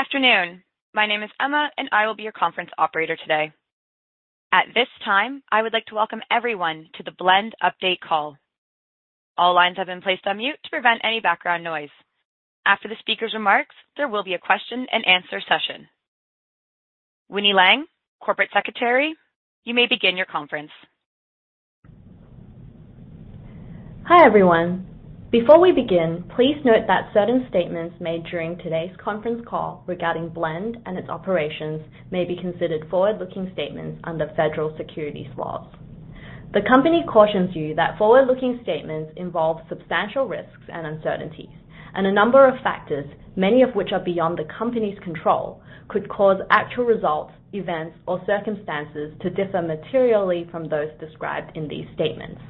Good afternoon. My name is Emma, and I will be your conference operator today. At this time, I would like to welcome everyone to the Blend Update Call. All lines have been placed on mute to prevent any background noise. After the speaker's remarks, there will be a question and answer session. Winnie Ling, Corporate Secretary, you may begin your conference. Hi, everyone. Before we begin, please note that certain statements made during today's conference call regarding Blend and its operations may be considered forward-looking statements under federal securities laws. The company cautions you that forward-looking statements involve substantial risks and uncertainties, and a number of factors, many of which are beyond the company's control, could cause actual results, events, or circumstances to differ materially from those described in these statements.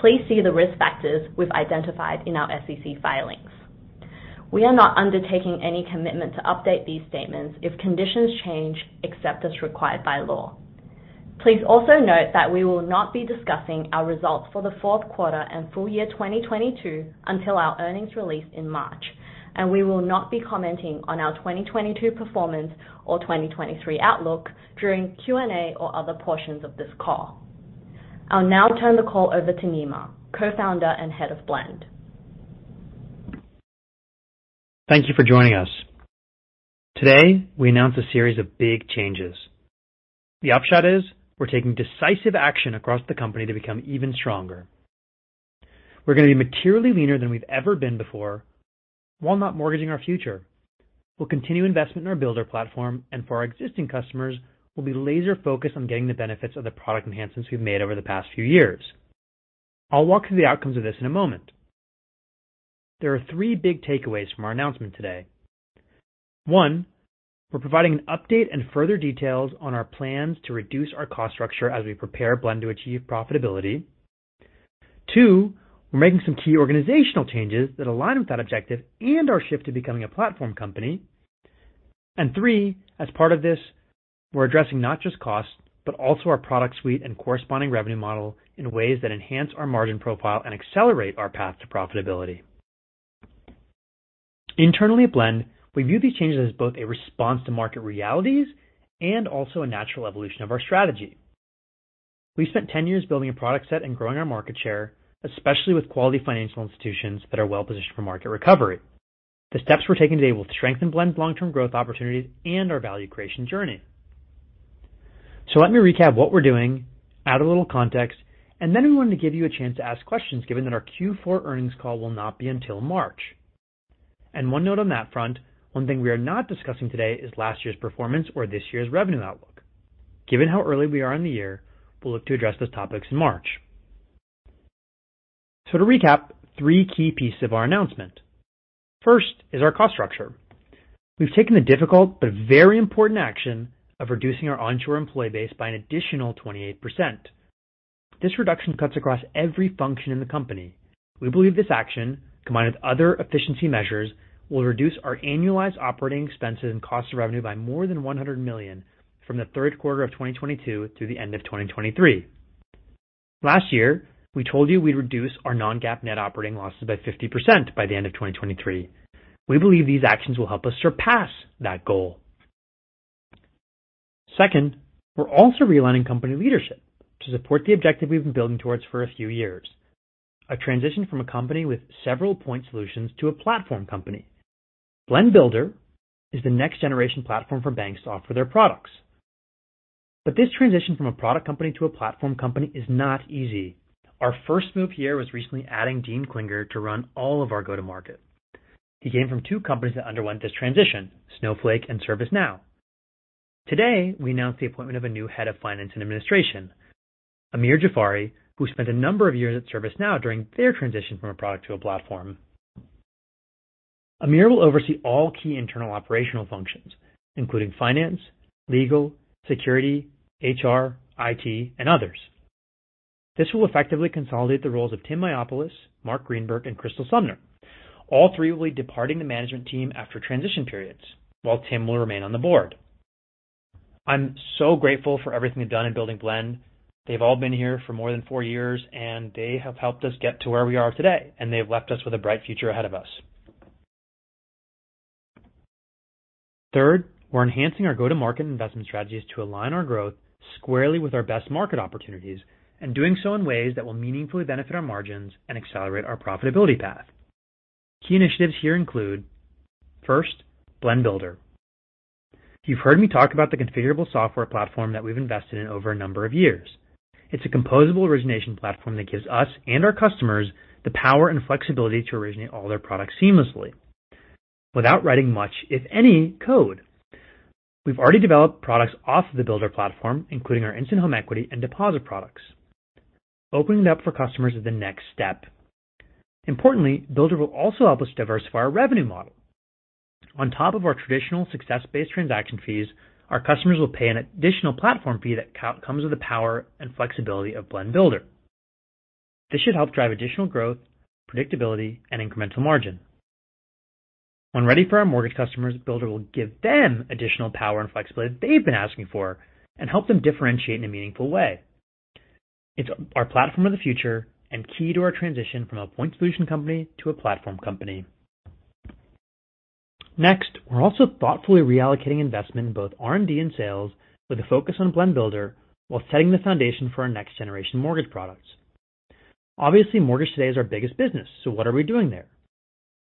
Please see the risk factors we've identified in our SEC filings. We are not undertaking any commitment to update these statements if conditions change, except as required by law. Please also note that we will not be discussing our results for the fourth quarter and full year twenty twenty-two until our earnings release in March, and we will not be commenting on our twenty twenty-two performance or twenty twenty-three outlook during Q&A or other portions of this call. I'll now turn the call over to Nima, Co-founder and Head of Blend. Thank you for joining us. Today, we announce a series of big changes. The upshot is, we're taking decisive action across the company to become even stronger. We're going to be materially leaner than we've ever been before, while not mortgaging our future. We'll continue investment in our Builder platform, and for our existing customers, we'll be laser-focused on getting the benefits of the product enhancements we've made over the past few years. I'll walk through the outcomes of this in a moment. There are three big takeaways from our announcement today. One, we're providing an update and further details on our plans to reduce our cost structure as we prepare Blend to achieve profitability. Two, we're making some key organizational changes that align with that objective and our shift to becoming a platform company. And three, as part of this, we're addressing not just costs, but also our product suite and corresponding revenue model in ways that enhance our margin profile and accelerate our path to profitability. Internally at Blend, we view these changes as both a response to market realities and also a natural evolution of our strategy. We've spent ten years building a product set and growing our market share, especially with quality financial institutions that are well-positioned for market recovery. The steps we're taking today will strengthen Blend's long-term growth opportunities and our value creation journey. So let me recap what we're doing, add a little context, and then we want to give you a chance to ask questions, given that our Q4 earnings call will not be until March. One note on that front, one thing we are not discussing today is last year's performance or this year's revenue outlook. Given how early we are in the year, we'll look to address those topics in March. To recap, three key pieces of our announcement. First is our cost structure. We've taken the difficult but very important action of reducing our onshore employee base by an additional 28%. This reduction cuts across every function in the company. We believe this action, combined with other efficiency measures, will reduce our annualized operating expenses and cost of revenue by more than $100 million from the third quarter of 2022 through the end of 2023. Last year, we told you we'd reduce our non-GAAP net operating losses by 50% by the end of 2023. We believe these actions will help us surpass that goal. Second, we're also realigning company leadership to support the objective we've been building towards for a few years. A transition from a company with several point solutions to a platform company. Blend Builder is the next-generation platform for banks to offer their products. But this transition from a product company to a platform company is not easy. Our first move here was recently adding Dean Klinger to run all of our go-to-market. He came from two companies that underwent this transition, Snowflake and ServiceNow. Today, we announced the appointment of a new head of finance and administration, Amir Jafari, who spent a number of years at ServiceNow during their transition from a product to a platform. Amir will oversee all key internal operational functions, including finance, legal, security, HR, IT, and others. This will effectively consolidate the roles of Tim Mayopoulos, Marc Greenberg, and Crystal Sumner. All three will be departing the management team after transition periods, while Tim will remain on the board. I'm so grateful for everything they've done in building Blend. They've all been here for more than four years, and they have helped us get to where we are today, and they've left us with a bright future ahead of us. Third, we're enhancing our go-to-market investment strategies to align our growth squarely with our best market opportunities and doing so in ways that will meaningfully benefit our margins and accelerate our profitability path. Key initiatives here include, first, Blend Builder. You've heard me talk about the configurable software platform that we've invested in over a number of years. It's a composable origination platform that gives us and our customers the power and flexibility to originate all their products seamlessly without writing much, if any, code. We've already developed products off of the Builder platform, including our Instant Home Equity and deposit products. Opening it up for customers is the next step. Importantly, Builder will also help us diversify our revenue model. On top of our traditional success-based transaction fees, our customers will pay an additional platform fee that comes with the power and flexibility of Blend Builder. This should help drive additional growth, predictability, and incremental margin. When ready for our mortgage customers, Builder will give them additional power and flexibility they've been asking for and help them differentiate in a meaningful way. It's our platform of the future and key to our transition from a point solution company to a platform company. Next, we're also thoughtfully reallocating investment in both R&D and sales with a focus on Blend Builder, while setting the foundation for our next generation mortgage products. Obviously, mortgage today is our biggest business, so what are we doing there?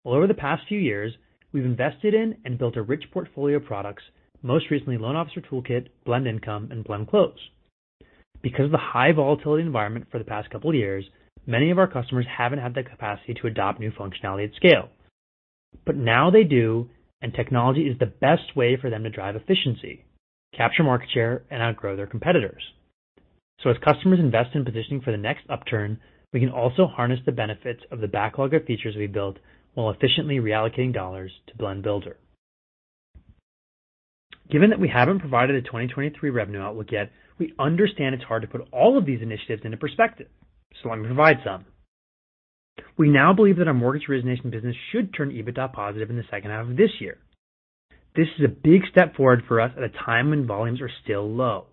Well, over the past few years, we've invested in and built a rich portfolio of products, most recently, Loan Officer Toolkit, Blend Income, and Blend Close. Because of the high volatility environment for the past couple of years, many of our customers haven't had the capacity to adopt new functionality at scale. But now they do, and technology is the best way for them to drive efficiency, capture market share, and outgrow their competitors. So as customers invest in positioning for the next upturn, we can also harness the benefits of the backlog of features we built while efficiently reallocating dollars to Blend Builder. Given that we haven't provided a 2023 revenue outlook yet, we understand it's hard to put all of these initiatives into perspective, so let me provide some. We now believe that our mortgage origination business should turn EBITDA positive in the second half of this year. This is a big step forward for us at a time when volumes are still low.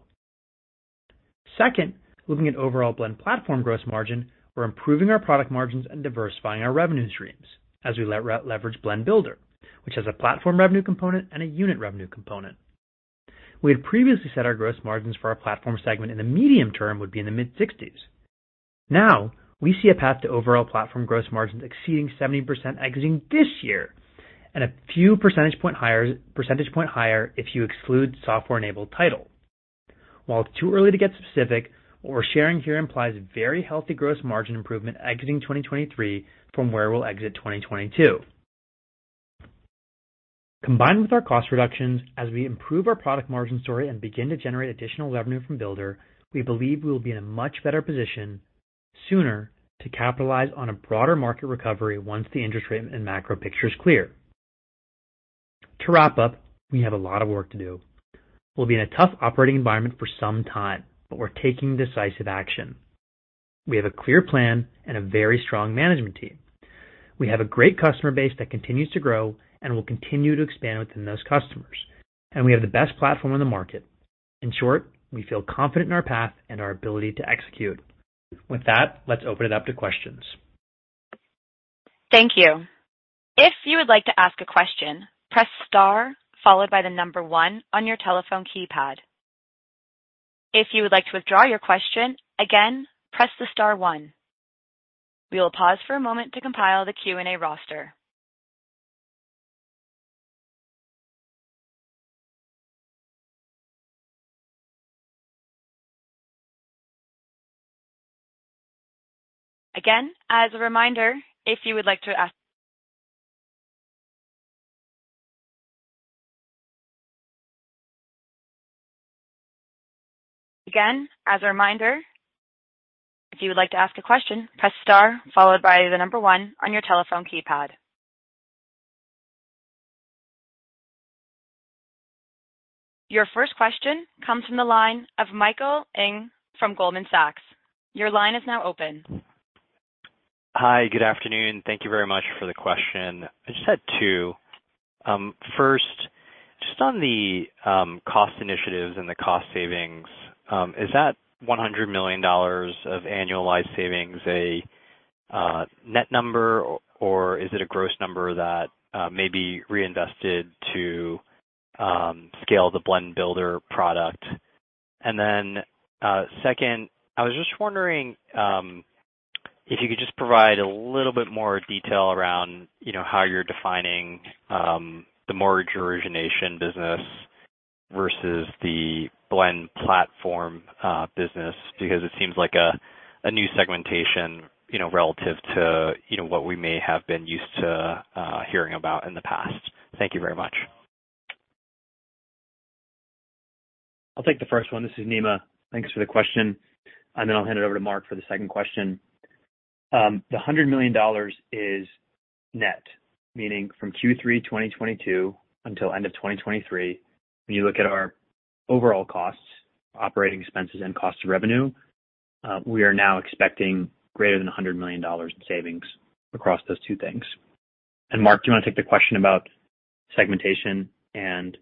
Second, looking at overall Blend platform gross margin, we're improving our product margins and diversifying our revenue streams as we leverage Blend Builder, which has a platform revenue component and a unit revenue component. We had previously said our gross margins for our platform segment in the medium term would be in the mid-60s. Now, we see a path to overall platform gross margins exceeding 70% exiting this year, and a few percentage point higher if you exclude software-enabled title. While it's too early to get specific, what we're sharing here implies very healthy gross margin improvement exiting 2023 from where we'll exit 2022. Combined with our cost reductions, as we improve our product margin story and begin to generate additional revenue from Builder, we believe we will be in a much better position sooner to capitalize on a broader market recovery once the interest rate and macro picture is clear. To wrap up, we have a lot of work to do. We'll be in a tough operating environment for some time, but we're taking decisive action. We have a clear plan and a very strong management team. We have a great customer base that continues to grow and will continue to expand within those customers, and we have the best platform on the market. In short, we feel confident in our path and our ability to execute. With that, let's open it up to questions. Thank you. If you would like to ask a question, press star, followed by the number one on your telephone keypad. If you would like to withdraw your question, again, press the star one. We will pause for a moment to compile the Q&A roster. Again, as a reminder, if you would like to ask a question, press star, followed by the number one on your telephone keypad. Your first question comes from the line of Michael Ng from Goldman Sachs. Your line is now open. Hi, good afternoon. Thank you very much for the question. I just had two. First, just on the cost initiatives and the cost savings, is that $100 million of annualized savings a net number, or is it a gross number that may be reinvested to scale the Blend Builder product? And then, second, I was just wondering if you could just provide a little bit more detail around, you know, how you're defining the mortgage origination business versus the Blend platform business, because it seems like a new segmentation, you know, relative to, you know, what we may have been used to hearing about in the past. Thank you very much. I'll take the first one. This is Nima. Thanks for the question, and then I'll hand it over to Marc for the second question. The $100 million is net, meaning from Q3 2022 until end of 2023, when you look at our overall costs, operating expenses and cost of revenue, we are now expecting greater than $100 million in savings across those two things. And Marc, do you want to take the question about segmentation? And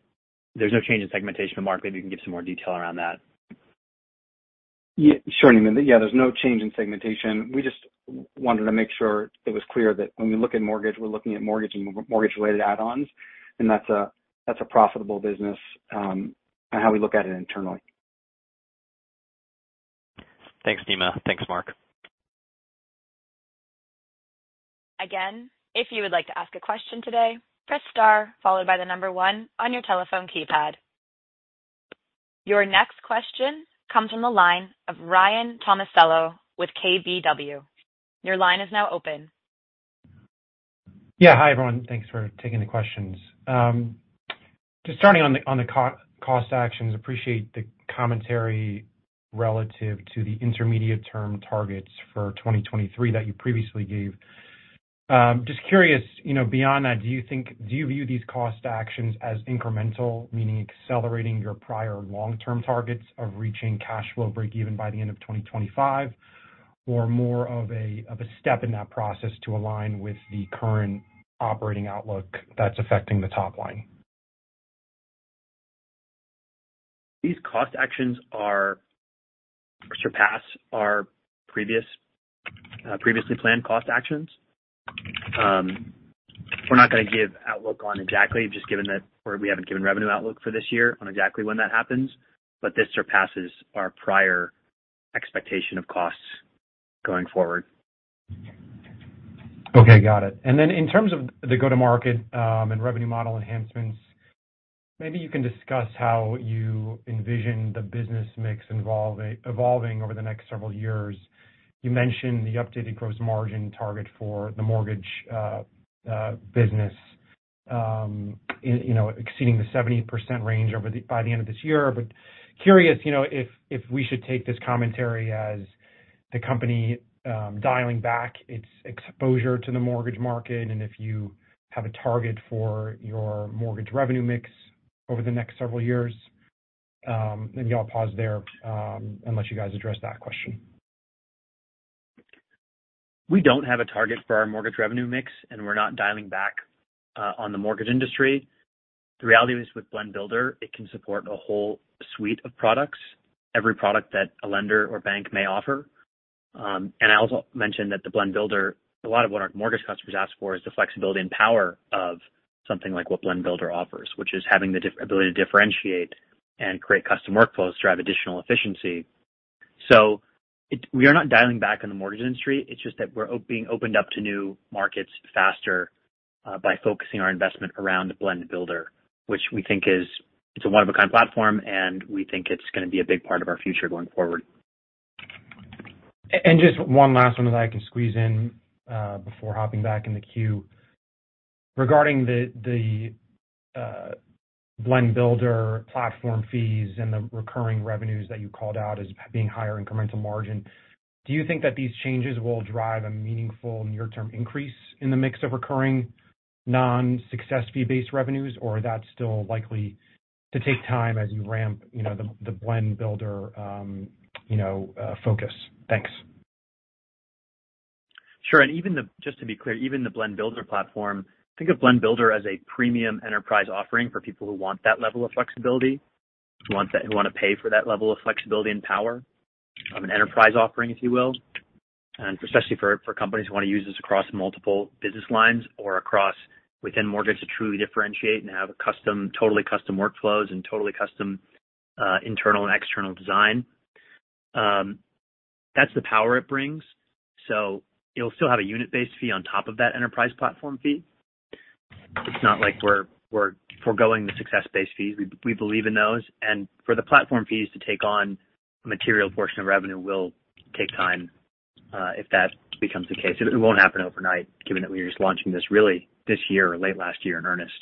there's no change in segmentation, but Marc, maybe you can give some more detail around that. Yeah, sure, Nima. Yeah, there's no change in segmentation. We just wanted to make sure it was clear that when we look at mortgage, we're looking at mortgage and mortgage-related add-ons, and that's a profitable business, and how we look at it internally. Thanks, Nima. Thanks, Marc. Again, if you would like to ask a question today, press star, followed by the number one on your telephone keypad. Your next question comes from the line of Ryan Tomasello with KBW. Your line is now open. Yeah. Hi, everyone. Thanks for taking the questions. Just starting on the cost actions, appreciate the commentary relative to the intermediate-term targets for 2023 that you previously gave. Just curious, you know, beyond that, do you think, do you view these cost actions as incremental, meaning accelerating your prior long-term targets of reaching cash flow break even by the end of 2025, or more of a step in that process to align with the current operating outlook that's affecting the top line? These cost actions surpass our previously planned cost actions. We're not gonna give outlook on exactly just given that, or we haven't given revenue outlook for this year on exactly when that happens, but this surpasses our prior expectation of costs going forward. Okay, got it. And then in terms of the go-to-market, and revenue model enhancements, maybe you can discuss how you envision the business mix evolving over the next several years. You mentioned the updated gross margin target for the mortgage business, you know, exceeding the 70% range over the, by the end of this year. But curious, you know, if we should take this commentary as the company, dialing back its exposure to the mortgage market, and if you have a target for your mortgage revenue mix over the next several years. Maybe I'll pause there, and let you guys address that question. We don't have a target for our mortgage revenue mix, and we're not dialing back on the mortgage industry. The reality is, with Blend Builder, it can support a whole suite of products, every product that a lender or bank may offer, and I also mentioned that the Blend Builder, a lot of what our mortgage customers ask for is the flexibility and power of something like what Blend Builder offers, which is having the ability to differentiate and create custom workflows, drive additional efficiency. So we are not dialing back on the mortgage industry. It's just that we're opening up to new markets faster by focusing our investment around Blend Builder, which we think is a one-of-a-kind platform, and we think it's gonna be a big part of our future going forward. And just one last one that I can squeeze in before hopping back in the queue. Regarding the Blend Builder platform fees and the recurring revenues that you called out as being higher in incremental margin, do you think that these changes will drive a meaningful near-term increase in the mix of recurring non-success fee-based revenues, or that's still likely to take time as you ramp, you know, the Blend Builder, you know, focus? Thanks. Sure. And even the—just to be clear, even the Blend Builder platform, think of Blend Builder as a premium enterprise offering for people who want that level of flexibility, who want that, who wanna pay for that level of flexibility and power, an enterprise offering, if you will, and especially for companies who wanna use this across multiple business lines or across within mortgage to truly differentiate and have a custom, totally custom workflows and totally custom, internal and external design. That's the power it brings. So you'll still have a unit-based fee on top of that enterprise platform fee. It's not like we're foregoing the success-based fees. We believe in those. And for the platform fees to take on a material portion of revenue will take time, if that becomes the case. It won't happen overnight, given that we're just launching this really this year or late last year in earnest.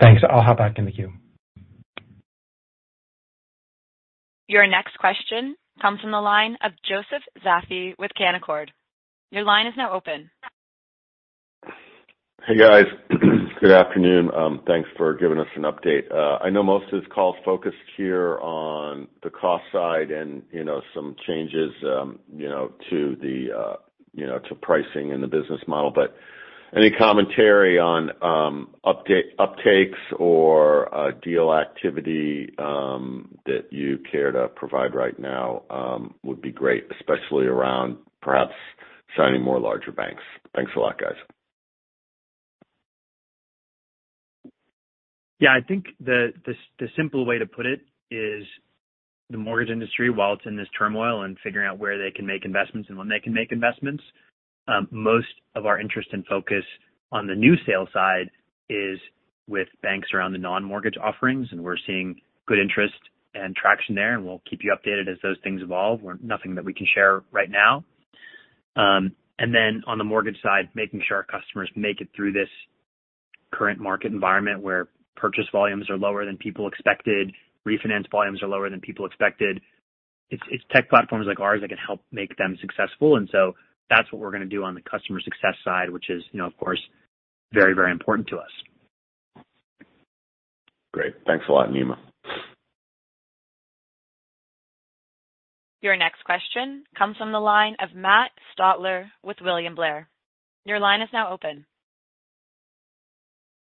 Thanks. I'll hop back in the queue. Your next question comes from the line of Joseph Vafi with Canaccord. Your line is now open. Hey, guys. Good afternoon. Thanks for giving us an update. I know most of this call is focused here on the cost side and, you know, some changes, you know, to pricing and the business model. But any commentary on uptakes or deal activity that you care to provide right now would be great, especially around perhaps signing more larger banks. Thanks a lot, guys. Yeah, I think the simple way to put it is the mortgage industry, while it's in this turmoil and figuring out where they can make investments and when they can make investments, most of our interest and focus on the new sales side is with banks around the non-mortgage offerings, and we're seeing good interest and traction there, and we'll keep you updated as those things evolve. We're nothing that we can share right now, and then on the mortgage side, making sure our customers make it through this current market environment, where purchase volumes are lower than people expected, refinance volumes are lower than people expected. It's tech platforms like ours that can help make them successful, and so that's what we're gonna do on the customer success side, which is, you know, of course, very, very important to us. Great. Thanks a lot, Nima. Your next question comes from the line of Matt Stotler with William Blair. Your line is now open.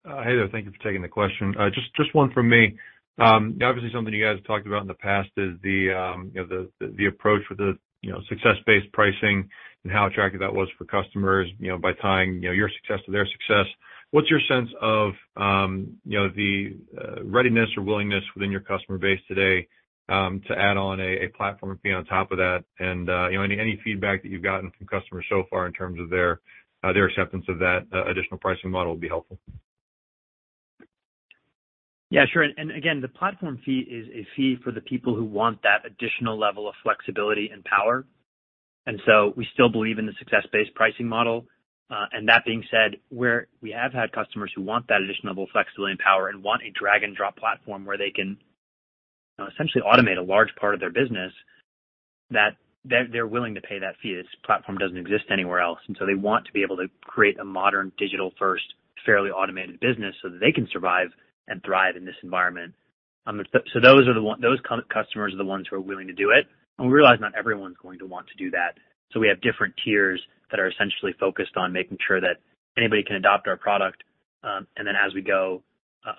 Hey there. Thank you for taking the question. Just one from me. Obviously, something you guys have talked about in the past is the approach with the success-based pricing and how attractive that was for customers, you know, by tying your success to their success. What's your sense of the readiness or willingness within your customer base today to add on a platform fee on top of that? And any feedback that you've gotten from customers so far in terms of their acceptance of that additional pricing model would be helpful. Yeah, sure. And again, the platform fee is a fee for the people who want that additional level of flexibility and power. And so we still believe in the success-based pricing model. And that being said, we have had customers who want that additional level of flexibility and power and want a drag-and-drop platform where they can essentially automate a large part of their business, that they're willing to pay that fee. This platform doesn't exist anywhere else, and so they want to be able to create a modern, digital-first, fairly automated business, so that they can survive and thrive in this environment. So those customers are the ones who are willing to do it, and we realize not everyone's going to want to do that. So we have different tiers that are essentially focused on making sure that anybody can adopt our product. And then as we go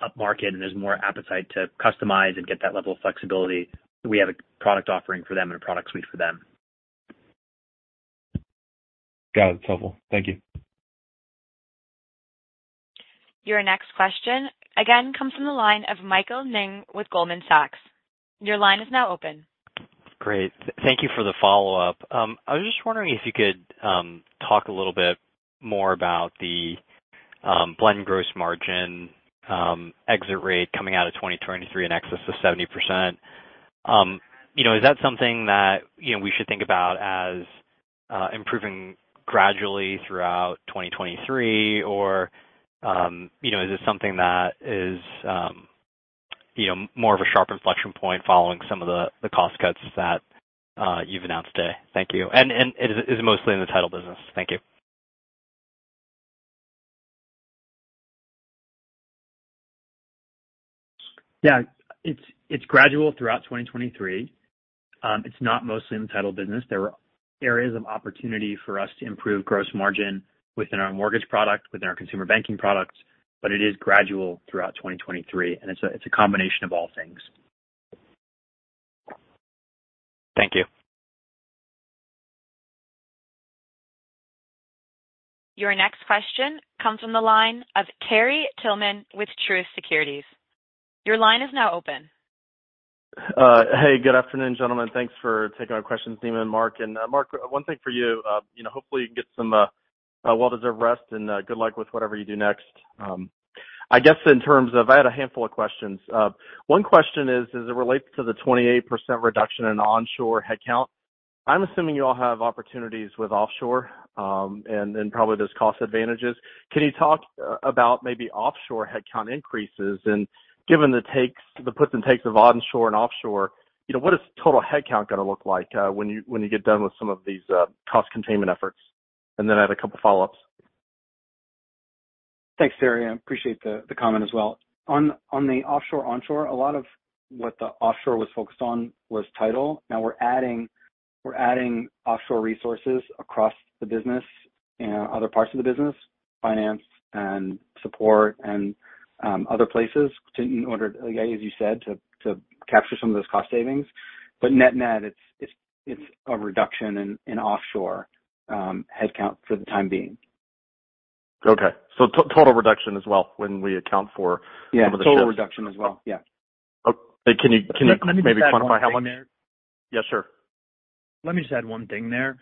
upmarket, and there's more appetite to customize and get that level of flexibility, we have a product offering for them and a product suite for them. Got it. It's helpful. Thank you. Your next question again comes from the line of Michael Ng with Goldman Sachs. Your line is now open. Great. Thank you for the follow-up. I was just wondering if you could talk a little bit more about the Blend gross margin exit rate coming out of 2023 in excess of 70%. You know, is that something that you know, we should think about as improving gradually throughout 2023? Or you know, is this something that is you know, more of a sharp inflection point following some of the cost cuts that you've announced today? Thank you. And is it mostly in the title business? Thank you. Yeah. It's, it's gradual throughout 2023. It's not mostly in the title business. There are areas of opportunity for us to improve gross margin within our mortgage product, within our consumer banking products, but it is gradual throughout 2023, and it's a, it's a combination of all things. Thank you. Your next question comes from the line of Terry Tillman with Truist Securities. Your line is now open. Hey, good afternoon, gentlemen. Thanks for taking our questions, Nima and Marc. And, Marc, one thing for you, you know, hopefully you get some well-deserved rest, and good luck with whatever you do next. I guess in terms of, I had a handful of questions. One question is, as it relates to the 28% reduction in onshore headcount, I'm assuming you all have opportunities with offshore, and then probably there's cost advantages. Can you talk about maybe offshore headcount increases? And given the takes, the puts and takes of onshore and offshore, you know, what is total headcount gonna look like, when you get done with some of these cost containment efforts? And then I have a couple follow-ups. Thanks, Terry. I appreciate the comment as well. On the offshore, onshore, a lot of what the offshore was focused on was title. Now we're adding offshore resources across the business and other parts of the business, finance and support and other places, to, in order, yeah, as you said, to capture some of those cost savings. But net-net, it's a reduction in offshore headcount for the time being. Okay. So total reduction as well when we account for- Yeah, total reduction as well. Yeah. Okay. Can you, can you maybe quantify how long? Let me just add one thing there. Yes, sir. Let me just add one thing there.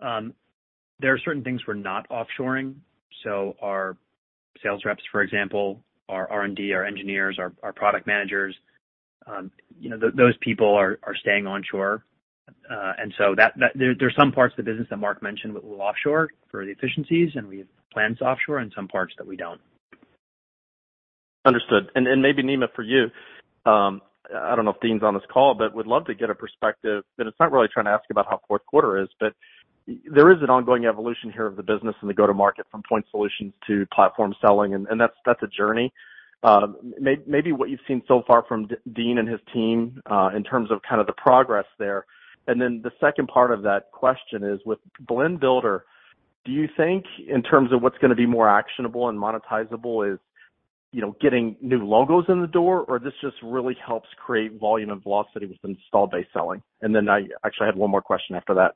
There are certain things we're not offshoring. So our sales reps, for example, our R&D, our engineers, our product managers, you know, those people are staying onshore. And so there, there's some parts of the business that Marc mentioned that we'll offshore for the efficiencies, and we have plans to offshore and some parts that we don't. Understood. And maybe Nima, for you, I don't know if Dean's on this call, but would love to get a perspective. And it's not really trying to ask you about how fourth quarter is, but there is an ongoing evolution here of the business and the go-to-market from point solutions to platform selling, and that's a journey. Maybe what you've seen so far from Dean and his team in terms of kind of the progress there. And then the second part of that question is: with Blend Builder, do you think in terms of what's gonna be more actionable and monetizable, is, you know, getting new logos in the door, or this just really helps create volume and velocity with installed base selling? And then I actually have one more question after that.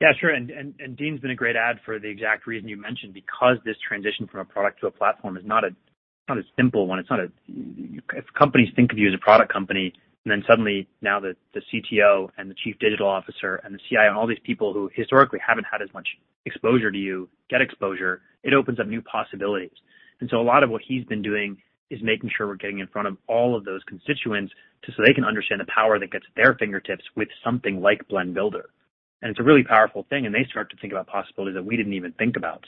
Yeah, sure. Dean's been a great add for the exact reason you mentioned, because this transition from a product to a platform is not a simple one. If companies think of you as a product company, and then suddenly now the CTO and the chief digital officer and the CIO, all these people who historically haven't had as much exposure to you, get exposure, it opens up new possibilities. So a lot of what he's been doing is making sure we're getting in front of all of those constituents, so they can understand the power at their fingertips with something like Blend Builder. It's a really powerful thing, and they start to think about possibilities that we didn't even think about.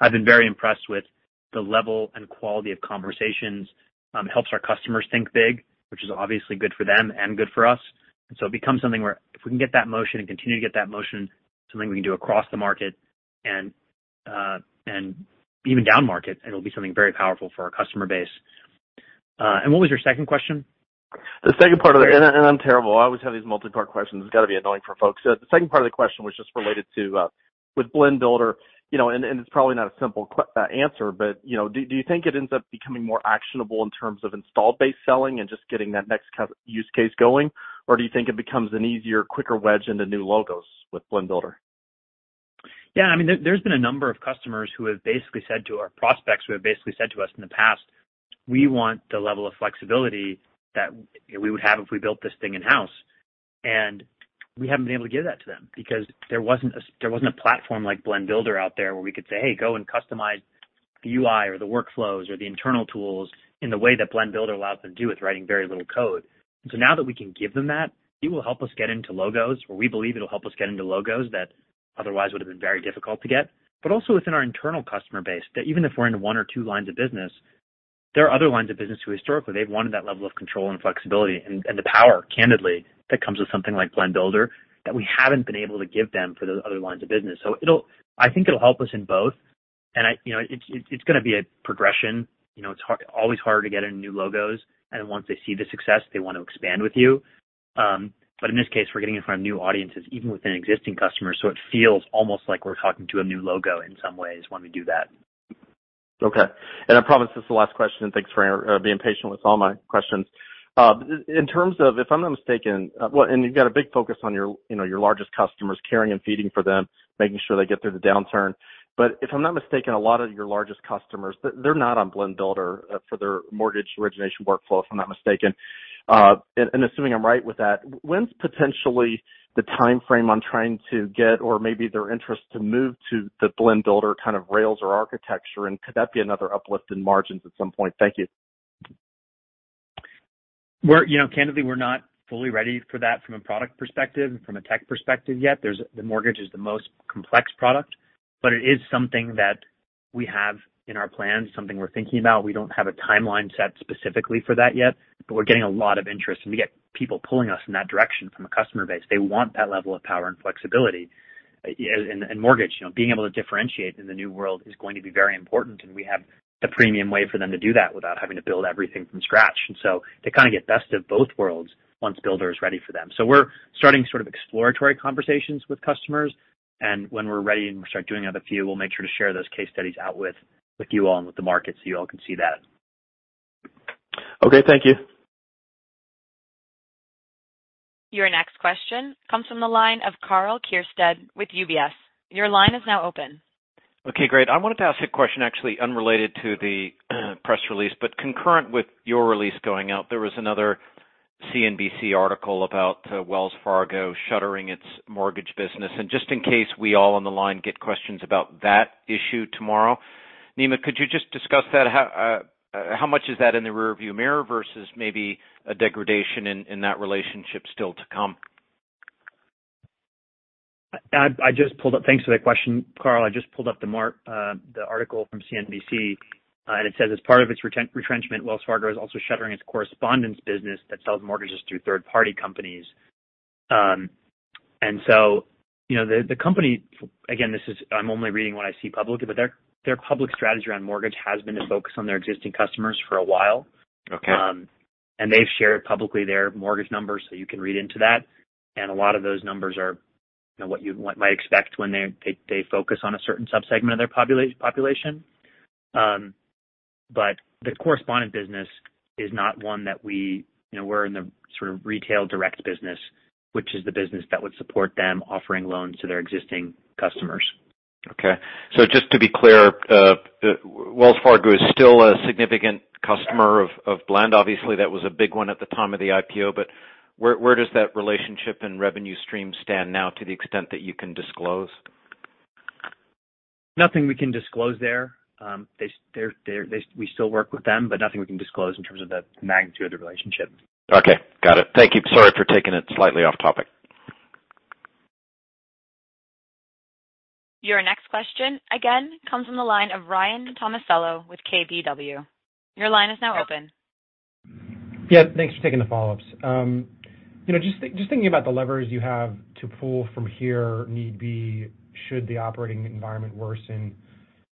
I've been very impressed with the level and quality of conversations. helps our customers think big, which is obviously good for them and good for us. And so it becomes something where if we can get that motion and continue to get that motion, something we can do across the market and, and even downmarket, it'll be something very powerful for our customer base. And what was your second question? The second part of the... I'm terrible, I always have these multipart questions. It's got to be annoying for folks. So the second part of the question was just related to with Blend Builder, you know, and it's probably not a simple answer, but you know, do you think it ends up becoming more actionable in terms of installed base selling and just getting that next use case going? Or do you think it becomes an easier, quicker wedge into new logos with Blend Builder? Yeah, I mean, there's been a number of customers who have basically said to us or prospects who have basically said to us in the past: We want the level of flexibility that we would have if we built this thing in-house. And we haven't been able to give that to them because there wasn't a platform like Blend Builder out there, where we could say, "Hey, go and customize the UI or the workflows or the internal tools," in the way that Blend Builder allows them to do with writing very little code. So now that we can give them that, it will help us get into logos, or we believe it'll help us get into logos that otherwise would have been very difficult to get. But also within our internal customer base, that even if we're in one or two lines of business, there are other lines of business who historically they've wanted that level of control and flexibility and the power, candidly, that comes with something like Blend Builder, that we haven't been able to give them for those other lines of business. So it'll, I think it'll help us in both... and I, you know, it's gonna be a progression. You know, it's always harder to get in new logos, and then once they see the success, they want to expand with you, but in this case, we're getting in front of new audiences, even within existing customers, so it feels almost like we're talking to a new logo in some ways when we do that. Okay. And I promise this is the last question, and thanks for being patient with all my questions. In terms of, if I'm not mistaken, well, and you've got a big focus on your, you know, your largest customers, caring and feeding for them, making sure they get through the downturn. But if I'm not mistaken, a lot of your largest customers, they're not on Blend Builder, for their mortgage origination workflow, if I'm not mistaken. And assuming I'm right with that, when's potentially the timeframe on trying to get or maybe their interest to move to the Blend Builder kind of rails or architecture, and could that be another uplift in margins at some point? Thank you. We're, you know, candidly, we're not fully ready for that from a product perspective and from a tech perspective yet. There's the mortgage is the most complex product, but it is something that we have in our plans, something we're thinking about. We don't have a timeline set specifically for that yet, but we're getting a lot of interest, and we get people pulling us in that direction from a customer base. They want that level of power and flexibility. And mortgage, you know, being able to differentiate in the new world is going to be very important, and we have a premium way for them to do that without having to build everything from scratch. And so they kind of get best of both worlds once Builder is ready for them. We're starting sort of exploratory conversations with customers, and when we're ready and we start doing another few, we'll make sure to share those case studies out with you all and with the market, so you all can see that. Okay, thank you. Your next question comes from the line of Karl Keirstead with UBS. Your line is now open. Okay, great. I wanted to ask a question actually unrelated to the press release, but concurrent with your release going out, there was another CNBC article about Wells Fargo shuttering its mortgage business. And just in case we all on the line get questions about that issue tomorrow, Nima, could you just discuss that? How much is that in the rearview mirror versus maybe a degradation in that relationship still to come? Thanks for that question, Karl. I just pulled up the article from CNBC, and it says, "As part of its retrenchment, Wells Fargo is also shuttering its correspondent business that sells mortgages through third-party companies." And so, you know, the company, again, I'm only reading what I see publicly, but their public strategy around mortgage has been to focus on their existing customers for a while. Okay. And they've shared publicly their mortgage numbers, so you can read into that. And a lot of those numbers are, you know, what you might expect when they focus on a certain subsegment of their population. But the correspondent business is not one that we... You know, we're in the sort of retail direct business, which is the business that would support them offering loans to their existing customers. Okay. So just to be clear, Wells Fargo is still a significant customer of Blend. Obviously, that was a big one at the time of the IPO, but where does that relationship and revenue stream stand now to the extent that you can disclose? Nothing we can disclose there. We still work with them, but nothing we can disclose in terms of the magnitude of the relationship. Okay, got it. Thank you. Sorry for taking it slightly off topic. Your next question again comes from the line of Ryan Tomasello with KBW. Your line is now open. Yeah, thanks for taking the follow-ups. You know, just thinking about the levers you have to pull from here, need be, should the operating environment worsen,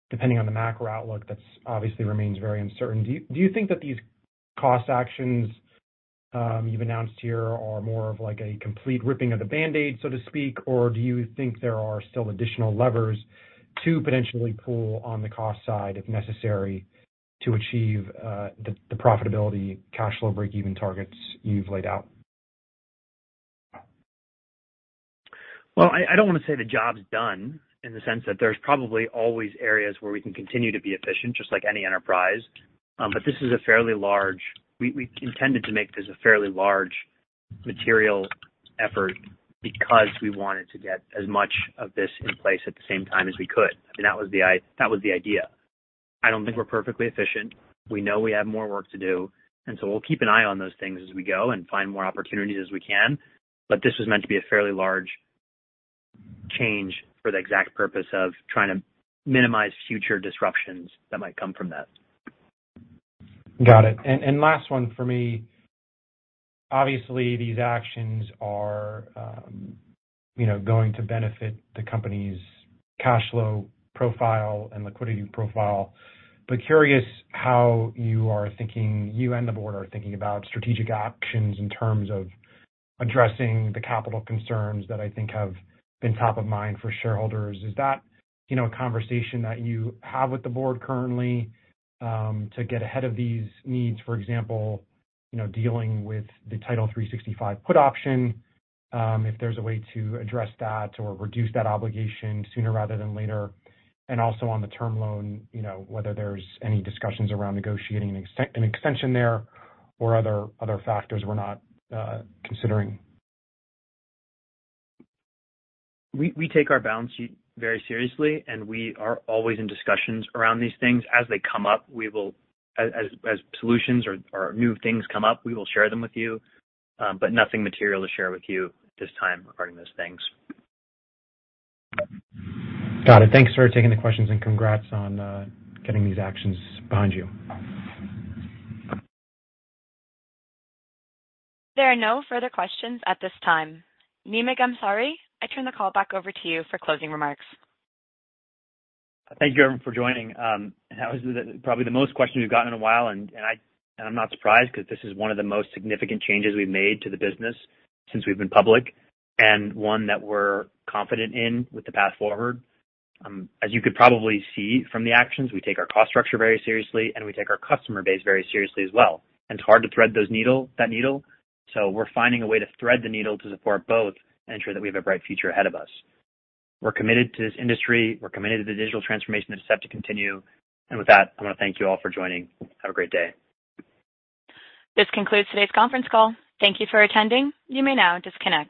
depending on the macro outlook, that's obviously remains very uncertain. Do you think that these cost actions you've announced here are more of like a complete ripping of the Band-Aid, so to speak, or do you think there are still additional levers to potentially pull on the cost side, if necessary, to achieve the profitability, cash flow, breakeven targets you've laid out? I don't want to say the job's done, in the sense that there's probably always areas where we can continue to be efficient, just like any enterprise. But this is a fairly large material effort because we wanted to get as much of this in place at the same time as we could, and that was the idea. I don't think we're perfectly efficient. We know we have more work to do, and so we'll keep an eye on those things as we go and find more opportunities as we can. But this was meant to be a fairly large change for the exact purpose of trying to minimize future disruptions that might come from that. Got it. And last one for me. Obviously, these actions are, you know, going to benefit the company's cash flow profile and liquidity profile. But curious how you are thinking, you and the board are thinking about strategic actions in terms of addressing the capital concerns that I think have been top of mind for shareholders. Is that, you know, a conversation that you have with the board currently, to get ahead of these needs, for example, you know, dealing with the Title365 put option, if there's a way to address that or reduce that obligation sooner rather than later? And also on the term loan, you know, whether there's any discussions around negotiating an extension there or other factors we're not considering. We take our balance sheet very seriously, and we are always in discussions around these things. As solutions or new things come up, we will share them with you, but nothing material to share with you at this time regarding those things. Got it. Thanks for taking the questions, and congrats on getting these actions behind you. There are no further questions at this time. Nima Ghamsari, I turn the call back over to you for closing remarks. Thank you, everyone, for joining. That was probably the most questions we've gotten in a while, and I'm not surprised, because this is one of the most significant changes we've made to the business since we've been public, and one that we're confident in with the path forward. As you could probably see from the actions, we take our cost structure very seriously, and we take our customer base very seriously as well. It's hard to thread the needle, so we're finding a way to thread the needle to support both and ensure that we have a bright future ahead of us. We're committed to this industry. We're committed to the digital transformation that's set to continue. With that, I want to thank you all for joining. Have a great day. This concludes today's conference call. Thank you for attending. You may now disconnect.